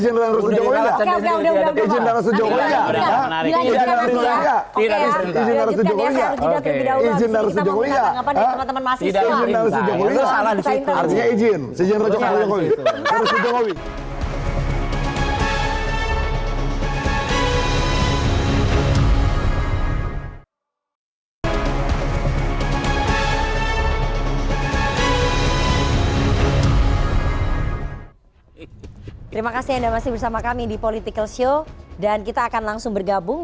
hai terima kasih anda masih bersama kami di political show dan kita akan langsung bergabung